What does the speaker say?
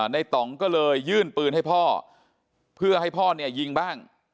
ต่องก็เลยยื่นปืนให้พ่อเพื่อให้พ่อเนี่ยยิงบ้าง